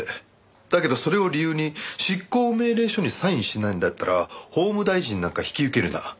だけどそれを理由に執行命令書にサインしないんだったら法務大臣なんか引き受けるな。